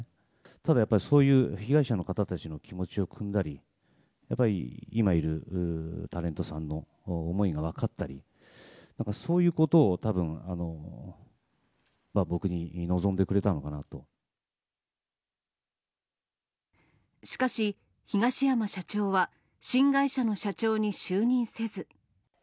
ただやっぱり、そういう被害者の方たちの気持ちをくんだり、やっぱり今いるタレントさんの思いが分かったり、そういうことをたぶん、しかし、東山社長は新会社の社長に就任せず。